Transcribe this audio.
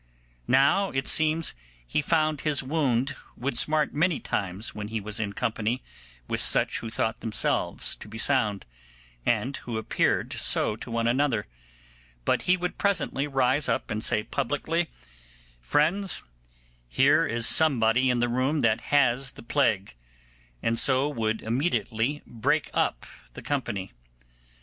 Now it seems he found his wound would smart many times when he was in company with such who thought themselves to be sound, and who appeared so to one another; but he would presently rise up and say publicly, 'Friends, here is somebody in the room that has the plague', and so would immediately break up the company.